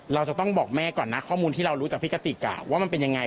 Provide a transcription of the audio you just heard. เราจะต้องบอกแม่ก่อนนะข้อมูลที่เรารู้จากพี่กติกว่ามันเป็นยังไง